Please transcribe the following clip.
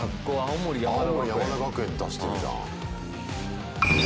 青森山田学園出してるじゃん。